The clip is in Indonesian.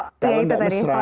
kalau tidak mesrah